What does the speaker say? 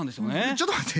ちょっと待って。